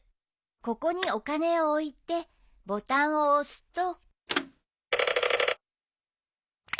ここにお金を置いてボタンを押すと。